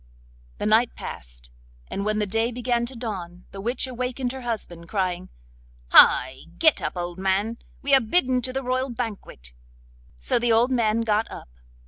The night passed, and when the day began to dawn, the witch awakened her husband, crying: 'Hi! get up, old man! We are bidden to the royal banquet.' So the old man got up.